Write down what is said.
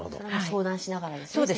相談しながらですね先生と。